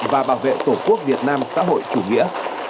và bảo vệ tổ quốc việt nam xã hội chủ nghĩa